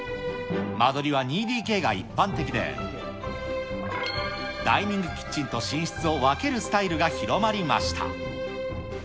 間取りは２ＤＫが一般的で、ダイニングキッチンと寝室を分けるスタイルが広まりました。